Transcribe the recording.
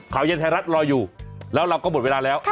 ข่าวเย็นไทยรัฐรออยู่แล้วเราก็หมดเวลาแล้ว